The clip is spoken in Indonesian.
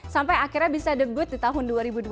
sampai akhirnya bisa debut di tahun dua ribu dua puluh